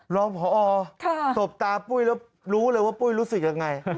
รองพอตบตาปุ้ยแล้วรู้เลยว่าปุ้ยรู้สึกยังไง